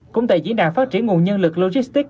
cũng tại diễn đàn phát triển nguồn nhân lực logistics